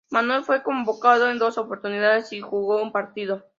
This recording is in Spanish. Manuel fue convocado en dos oportunidades y jugó un partido.